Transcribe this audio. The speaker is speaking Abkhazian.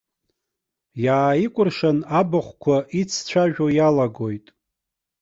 Иааикәыршан абахәқәа иццәажәо иалагоит.